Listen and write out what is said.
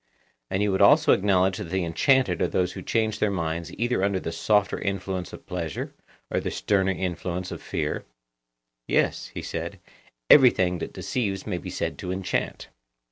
And you would also acknowledge that the enchanted are those who change their minds either under the softer influence of pleasure, or the sterner influence of fear? Yes, he said; everything that deceives may be said to enchant.